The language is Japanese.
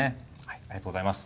ありがとうございます。